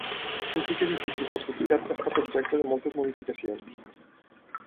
Antic edifici fortificat que ha estat objecte de moltes modificacions.